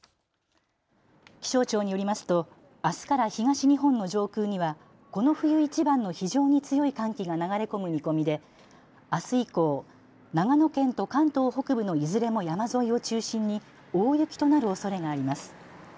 気象庁によりますとあすから東日本の上空にはこの冬いちばんの非常に強い寒気が流れ込む見込みであす以降、長野県と関東北部のいずれも山沿いを中心に大雪となるおそれがあります。